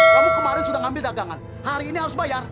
kamu kemarin sudah ngambil dagangan hari ini harus bayar